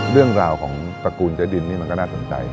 เรื่องราวของตระกูลเจ๊ดินนี่มันก็น่าสนใจ